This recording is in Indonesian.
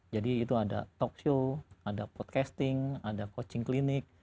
jadi itu ada talkshow ada podcasting ada coaching clinic